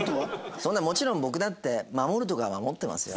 そんなもちろん僕だって守るとこは守ってますよ。